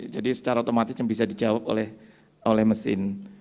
jadi secara otomatis bisa dijawab oleh mesin